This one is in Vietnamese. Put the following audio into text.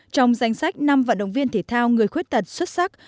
trong danh sách năm vận động viên thể thao người khuyết tật xuất sắc